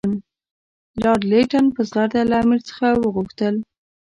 لارډ لیټن په زغرده له امیر څخه وغوښتل.